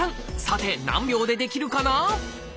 さて何秒でできるかな？